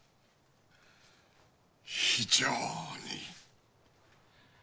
非常に。